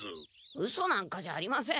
うそなんかじゃありません。